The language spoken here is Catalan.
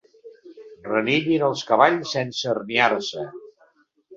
Renillin els cavalls sense herniar-se.